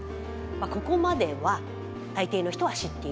ここまでは大抵の人は知っている話。